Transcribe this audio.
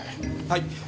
はい。